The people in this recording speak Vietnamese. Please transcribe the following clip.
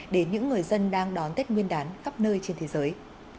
đến những người dân đang đón tết nguyên đán khắp nơi trên thế giới